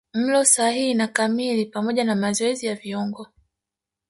Mlo sahihi na kamili pamoja na mazoezi ya viungo